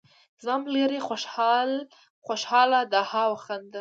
زما ملګری خوشحاله دهاو خاندي